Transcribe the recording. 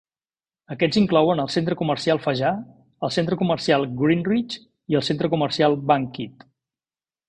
Aquests inclouen el centre comercial Fajar, el centre comercial Greenridge i el centre comercial Bangkit.